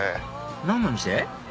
何の店？